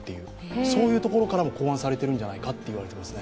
そういうところからも考案されているんじゃないかといわれていますね。